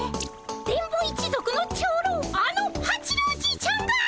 電ボ一族の長老あの八郎じいちゃんが？